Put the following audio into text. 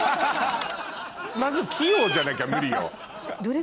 まず器用じゃなきゃ無理よ。